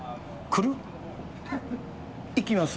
行きます。